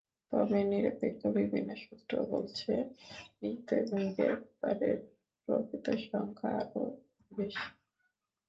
তবে নিরপেক্ষ বিভিন্ন সূত্র বলছে, নিহত এবং গ্রেপ্তারের প্রকৃত সংখ্যা আরও বেশি।